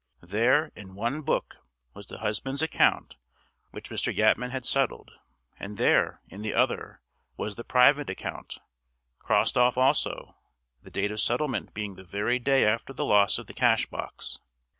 There, in one book, was the husband's account which Mr. Yatman had settled; and there, in the other, was the private account, crossed off also, the date of settlement being the very day after the loss of the cash box.